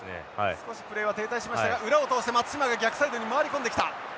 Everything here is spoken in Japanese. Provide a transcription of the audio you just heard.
少しプレーは停滞しましたが裏を通して松島が逆サイドに回り込んできた。